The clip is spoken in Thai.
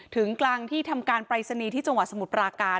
ถึงกลางที่ทำการปรายศนีย์ที่จังหวัดสมุทรปราการ